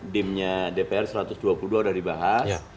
dimnya dpr satu ratus dua puluh dua sudah dibahas